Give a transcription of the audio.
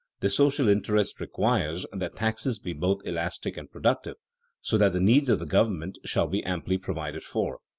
The social interest requires that taxes be both elastic and productive, so that the needs of the government shall be amply provided for.